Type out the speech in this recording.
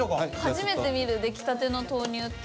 初めて見る出来たての豆乳って。